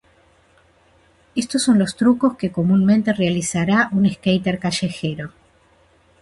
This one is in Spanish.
Estos son los trucos que comúnmente realizará un "skater" callejero.